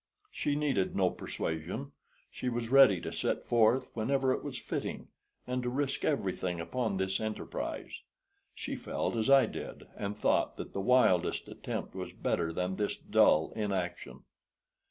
She needed no persuasion. She was ready to set forth whenever it was fitting, and to risk everything upon this enterprise. She felt as I did, and thought that the wildest attempt was better than this dull inaction.